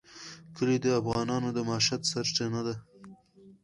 کلي د افغانانو د معیشت سرچینه ده.